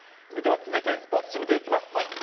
では続いてスポーツ紙見ていきます。